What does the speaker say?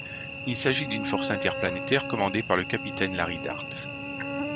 Il s'agit d'une force interplanétaire commandée par le Capitaine Larry Dart.